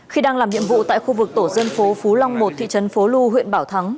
khi đang làm nhiệm vụ tại khu vực tổ dân phố phú long một thị trấn phố lu huyện bảo thắng